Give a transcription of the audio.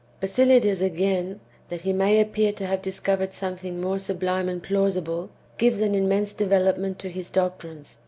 Basilides again, that he may appear to have discovered something more sublime and plausible, gives an immense development to his doctrines.